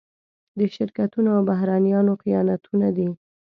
د شرکتونو او بهرنيانو خیانتونه دي.